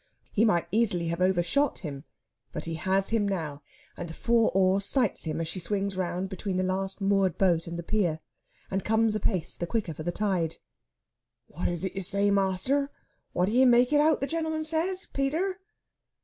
He might easily have overshot him; but he has him now, and the four oar sights him as she swings round between the last moored boat and the pier; and comes apace, the quicker for the tide. "What is it ye say, master? What do ye make it out the gentleman says, Peter?"